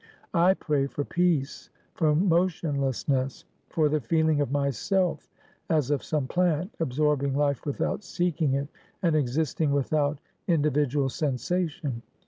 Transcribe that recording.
I pray for peace for motionlessness for the feeling of myself, as of some plant, absorbing life without seeking it, and existing without individual sensation.